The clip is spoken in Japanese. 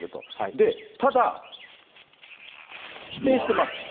で、ただ、否定してます。